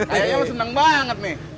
kayaknya lo seneng banget nih